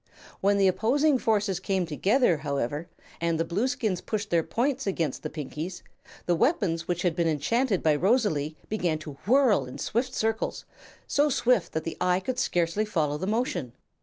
When the opposing forces came together, however, and the Blueskins pushed their points against the Pinkies, the weapons which had been enchanted by Rosalie began to whirl in swift circles so swift that the eye could scarcely follow the motion.